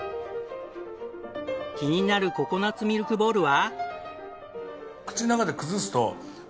気になるココナッツミルクボールは。